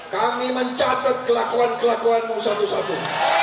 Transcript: kami mencatat kelakuan kelakuanmu satu satu